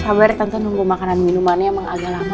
sabar tentu nunggu makanan minumannya emang agak lama